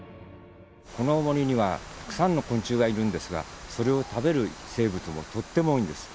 この森にはたくさんの昆虫がいるんですがそれを食べる生物もとっても多いんです。